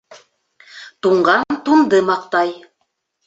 Туңған тунды маҡтай.